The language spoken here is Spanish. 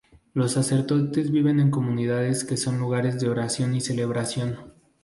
Los sacerdotes viven en comunidades que son lugares de oración y celebración.